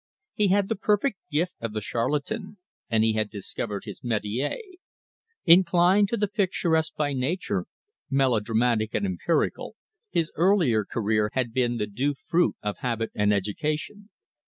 He had the perfect gift of the charlatan, and he had discovered his metier. Inclined to the picturesque by nature, melodramatic and empirical, his earlier career had been the due fruit of habit and education.